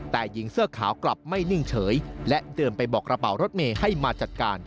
แต่หญิงเสื้อขาวกลับไม่นิ่งเฉยและเดินไปบอกกระเป๋ารถเมย์ให้มาจัดการ